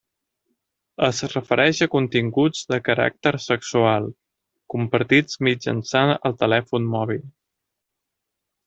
Es refereix a continguts de caràcter sexual, compartits mitjançant el telèfon mòbil.